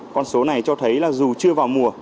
con số này cho thấy là dù chưa vào mùa